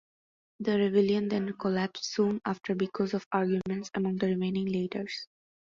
The rebellion then collapsed soon after because of arguments among the remaining leaders.